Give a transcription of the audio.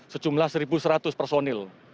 sejumlah satu seratus personil